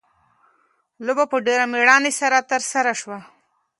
لوبه په ډېره مېړانه سره ترسره شوه.